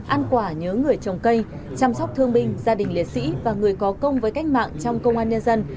ăn quả nhớ người trồng cây chăm sóc thương binh gia đình liệt sĩ và người có công với cách mạng trong công an nhân dân